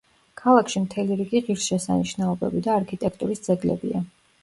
ქალაქში მთელი რიგი ღირსშესანიშნაობები და არქიტექტურის ძეგლებია.